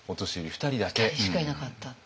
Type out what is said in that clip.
２人しかいなかったっていう。